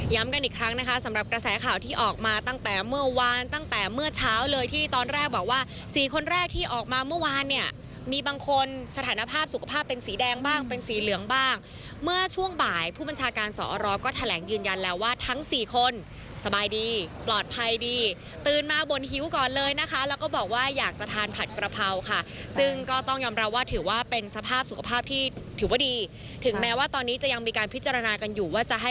ย้ำกันอีกครั้งนะคะสำหรับกระแสข่าวที่ออกมาตั้งแต่เมื่อวานตั้งแต่เมื่อเช้าเลยที่ตอนแรกบอกว่า๔คนแรกที่ออกมาเมื่อวานเนี่ยมีบางคนสถานภาพสุขภาพเป็นสีแดงบ้างเป็นสีเหลืองบ้างเมื่อช่วงบ่ายผู้บัญชาการสรรพก็แถลงยืนยันแล้วว่าทั้ง๔คนสบายดีปลอดภัยดีตื่นมาบนฮิ้วก่อนเลยนะคะแล้วก็บอกว่าอยากจะ